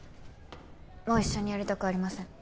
もう一緒にやりたくありません。